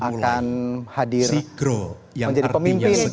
akan hadir menjadi pemimpin